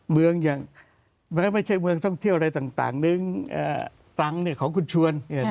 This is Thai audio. เมืองอย่างไม่ใช่เมืองท่องเที่ยวอะไรต่างนึงตรังของคุณชวน